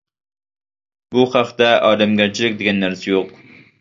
بۇ خەقتە ئادەمگەرچىلىك دېگەن نەرسە يوق.